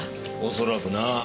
恐らくなぁ。